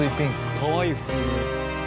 かわいい普通に。